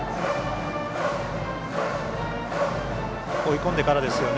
追い込んでからですよね。